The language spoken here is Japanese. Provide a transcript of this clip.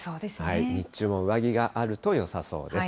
日中も上着があるとよさそうです。